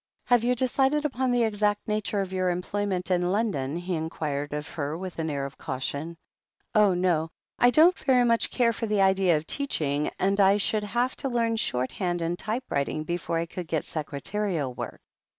"Have you decided upon the exact nature of your employment in London?" he inquired of her, with an air of caution. "Oh, no. I don't very much care for the idea of teaching, and I should have to learn shorthand and typewriting before I could get secretarial work.